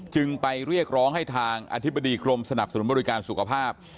จึงไปเรียกร้องให้ทางอธิบดีกรมสนับสนุนบริการสุขภาพ